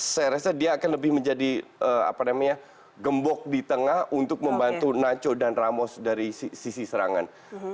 saya rasa dia akan lebih menjadi gembok di tengah untuk membantu nacho dan ramos dari sisi serangan